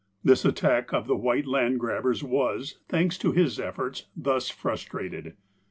This attack of the white land grabbers was, thanks to his efforts, thus frustrated.